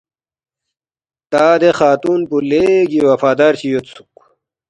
تا دے خاتون پو لیگی وفادار چی یودسُوک